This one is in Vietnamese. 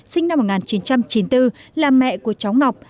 sinh năm một nghìn chín trăm chín mươi bốn là mẹ của cháu ngọc